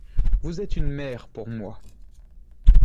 Vous êtes une mère pour moi.